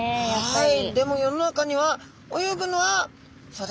はい。